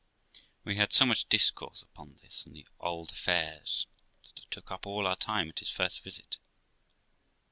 We had so much discourse upon this and the old affairs that it took up all our time at his first visit.